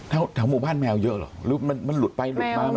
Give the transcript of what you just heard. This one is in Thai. แถวหมู่บ้านแมวเยอะเหรอหรือมันหลุดไปหลุดมา